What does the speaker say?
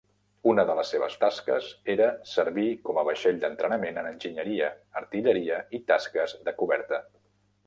Una de les seves tasques era servir com a vaixell d'entrenament en enginyeria, artilleria i tasques de coberta.